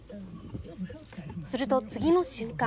すると、次の瞬間。